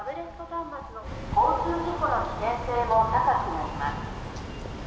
交通事故の危険性も高くなります。